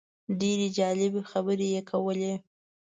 ډېرې جالبې خبرې یې کولې.